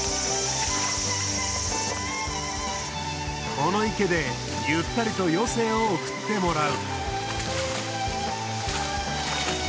この池でゆったりと余生を送ってもらう。